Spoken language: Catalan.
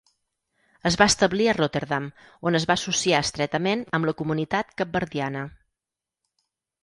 Es va establir a Rotterdam, on es va associar estretament amb la comunitat capverdiana.